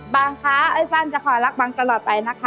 บางคะไอ้ฟันจะขอรักบังตลอดไปนะคะ